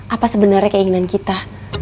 apa sebenarnya keinginan kita